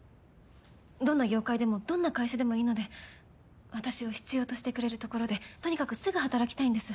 どんな業界でもどんな会社でもいいので私を必要としてくれるところでとにかくすぐ働きたいんです。